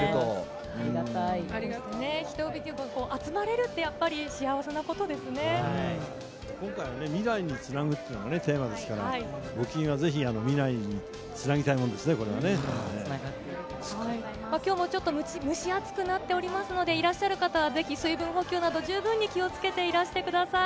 人々が集まれるって、やっぱ今回は未来につなぐっていうのがテーマですから、募金はぜひ未来につなぎたいものですね、きょうもちょっと蒸し暑くなっておりますので、いらっしゃる方はぜひ、水分補給など、十分に気をつけていらしてください。